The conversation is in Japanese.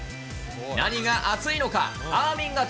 何が熱いのか。